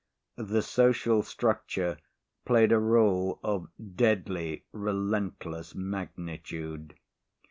The social structure played a rôle of deadly relentless magnitude.